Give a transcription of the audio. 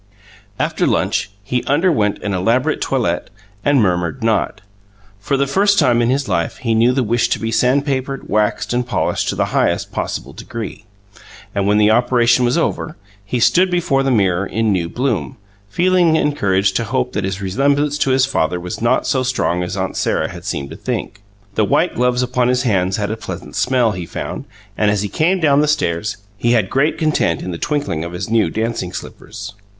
After lunch, he underwent an elaborate toilette and murmured not. For the first time in his life he knew the wish to be sand papered, waxed, and polished to the highest possible degree. And when the operation was over, he stood before the mirror in new bloom, feeling encouraged to hope that his resemblance to his father was not so strong as Aunt Sarah seemed to think. The white gloves upon his hands had a pleasant smell, he found; and, as he came down the stairs, he had great content in the twinkling of his new dancing slippers.